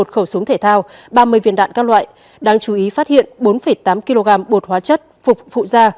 một khẩu súng thể thao ba mươi viên đạn các loại đáng chú ý phát hiện bốn tám kg bột hóa chất phục vụ ra